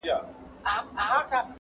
وارخطا یې ښي او کیڼ لور ته کتله!.